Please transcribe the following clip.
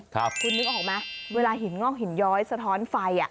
คุณนึกออกไหมเวลาหินงอกหินย้อยสะท้อนไฟ